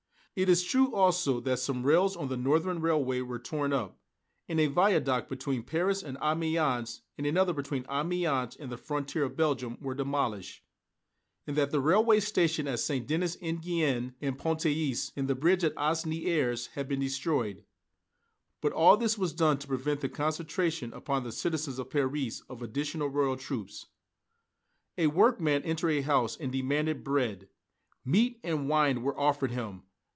It is true, also, that some rails on the Northern Railway were torn up, and a viaduct between Paris and Amiens, and another between Amiens and the frontier of Belgium were demolished; and that the railway stations at St. Denis, Enghien and Pontoise and the bridge at Asnières had been destroyed; but all this was done to prevent the concentration upon the citizens of Paris of additional Royal troops. A workman entered a house and demanded bread. Meat and wine were offered him.